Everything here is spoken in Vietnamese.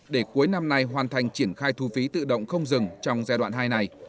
để cuối năm nay hoàn thành triển khai thu phí tự động không dừng trong giai đoạn hai này